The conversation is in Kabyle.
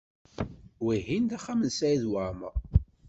Wihin d axxam n Saɛid Waɛmaṛ.